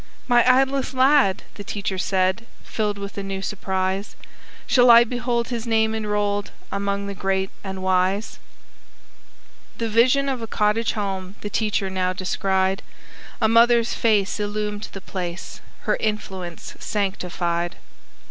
"My idlest lad!" the teacher said, Filled with a new surprise; "Shall I behold his name enrolled Among the great and wise?" The vision of a cottage home The teacher now descried; A mother's face illumed the place Her influence sanctified.